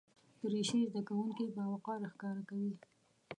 دریشي زده کوونکي باوقاره ښکاره کوي.